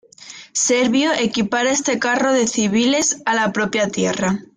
Servio equipara este carro de Cibeles a la propia Tierra.